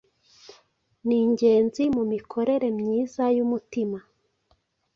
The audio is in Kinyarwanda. ni ingenzi mu mikorere myiza y’umutima.